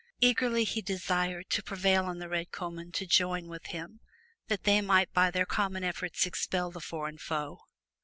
Eagerly he desired to prevail on the Red Comyn to join with him, that they might by their common efforts expel the foreign foe.